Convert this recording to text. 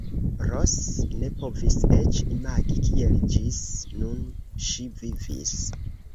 Ros ne povis eĉ imagi kiel ĝis nun ŝi vivis.